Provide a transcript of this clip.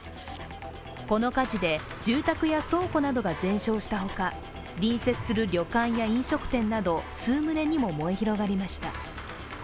この火事で、住宅や倉庫などが全焼したほか隣接する旅館や飲食店など数棟にも燃え広がりました。